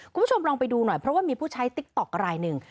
คุณผู้ชมลองไปดูหน่อยเพราะว่ามีผู้ใช้ติ๊กต๊อกรายหนึ่ง